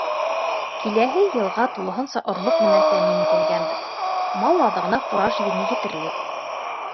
Киләһе йылға тулыһынса орлоҡ менән тәьмин ителгәнбеҙ, мал аҙығына фураж игене етерлек.